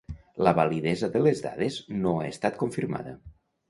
La validesa de les dades no ha estat confirmada.